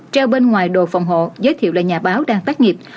treo bên ngoài đồ phòng hộ giới thiệu là nhà báo đang tác nghiệp